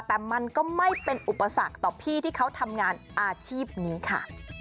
แต่มันก็ไม่เป็นอุปสรรคต่อพี่ที่เขาทำงานอาชีพนี้ค่ะ